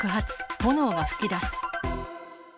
炎が噴き出す。